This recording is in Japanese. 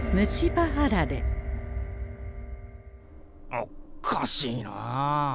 おっかしいなあ。